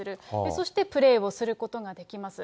そしてプレーをすることができます。